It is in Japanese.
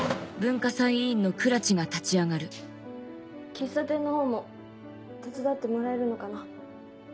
喫茶店の方も手伝ってもらえるのかな？